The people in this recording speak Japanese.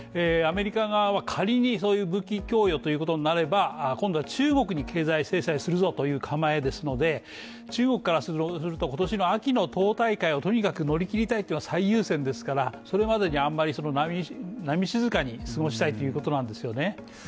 アメリカ側は仮に、そういう武器供与ということになれば、今度は中国に経済制裁するぞという構えですので中国からすると、今年の秋の党大会をとにかく乗り切りたいというのが最優先ですからそれまでにあまり波静かに過ごしたいということなんですね。